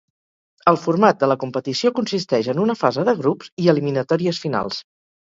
El format de la competició consisteix en una fase de grups i eliminatòries finals.